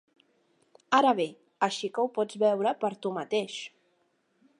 Ara ve, així que ho pots veure per tu mateix.